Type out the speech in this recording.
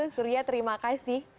surya terima kasih